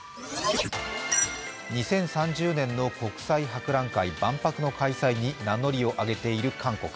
２０３０年の国際博覧会＝万博の開催に名乗りを上げている韓国。